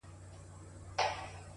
• د څپو غېږته قسمت وو غورځولی ,